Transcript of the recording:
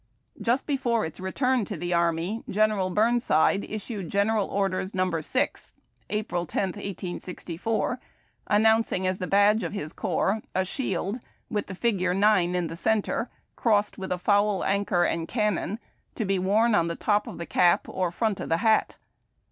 Just before its return to the army. General Burnside issued General Orders No. 6, April 10, 1864, announcing as the badge of his corps, "A shield with the figure iiine in the centre crossed with a foul anchor and cannon, to be worn on the top of the cap or front of the liat."